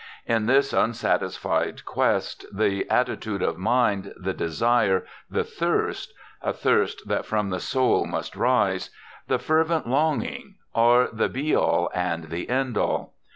In this unsatisfied quest the attitude of mind, the desire, the thirst a thirst that from the soul must rise! the fervent longing, are the be all and the end all.